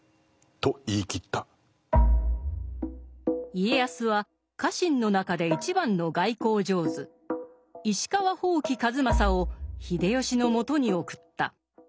家康は家臣の中で一番の外交上手石川伯耆数正を秀吉の元に送った。